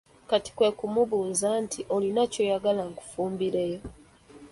Kati kwe kumubuuza nti olina ky'oyagala nkufumbireyo?